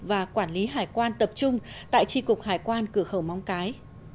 và quản lý hải quan tập trung tại tri cục hải quan cửa khẩu móng cái